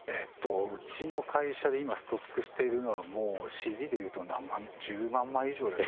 うちの会社で今ストックしているのはＣＤで言うと何万１０万枚以上だと思います。